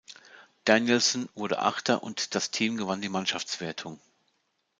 Danielson wurde Achter und das Team gewann die Mannschaftswertung.